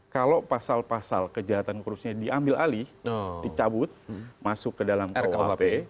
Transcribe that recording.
kalau pasal pasal kejahatan korupsinya diambil alih dicabut masuk ke dalam kuhp